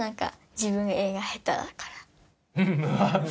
自分が絵が下手だから。